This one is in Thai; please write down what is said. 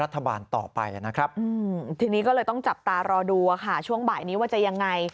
ทีนี้ก็เลยต้องจับตารอดูค่ะช่วงบ่ายนี้ว่าจะยังไง